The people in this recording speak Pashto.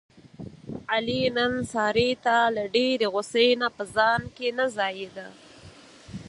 علي نن سارې ته له ډېرې غوسې نه په ځان کې نه ځایېدا.